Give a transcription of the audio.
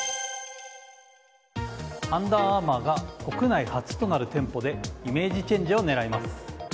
アンダーアーマーが国内初となる店舗でイメージチェンジを狙います。